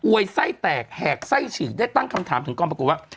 วยไส้แตกแหกไส้ฉีกได้ตั้งคำถามถึงกองปรากฏว่า